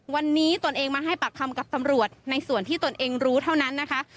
วันนี้ตนเองมาให้ปากคำกับตำรวจในส่วนที่ตนเองรู้เท่านั้นนะคะ